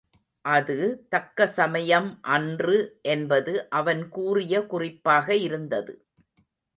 அது தக்க சமயம் அன்று என்பது அவன் கூறிய குறிப்பாக இருந்தது.